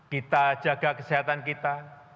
kita jaga kesehatan kita